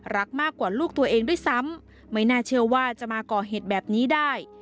รักมากกว่าลูกตัวเองด้วยซ้ำไม่น่าเชื่อว่าจะมาก่อเหตุแบบนี้ได้